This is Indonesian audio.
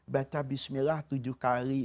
baca bismillah tujuh kali